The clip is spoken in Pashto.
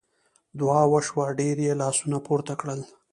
دعا وشوه ډېر یې لاسونه پورته کړل.